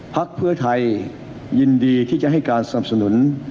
พักเพื่อไทยยินดีที่จะให้การสนับสนุน